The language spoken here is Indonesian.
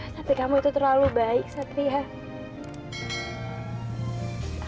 tapi kamu itu terlalu baik satria